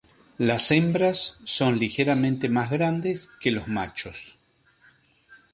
Las hembras son ligeramente más grandes que los machos.